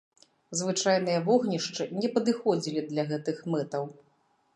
Звычайныя вогнішчы не падыходзілі для гэтых мэтаў.